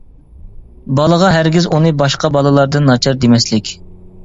بالىغا ھەرگىز ئۇنى باشقا بالىلاردىن ناچار دېمەسلىك.